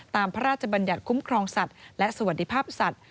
พระราชบัญญัติคุ้มครองสัตว์และสวัสดีภาพสัตว